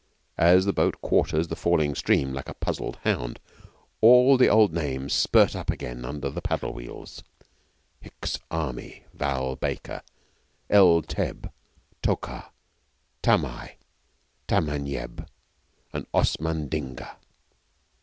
As the boat quarters the falling stream like a puzzled hound, all the old names spurt up again under the paddle wheels 'Hicks' army Val Baker El Teb Tokar Tamai Tamanieb and Osman Digna!'